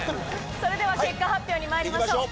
それでは結果発表にまいりましょう。